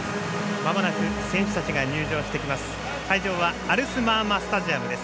まもなく選手たちが入場してきます。